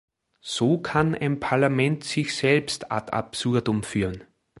So kann ein Parlament sich selbst ad absurdum führen.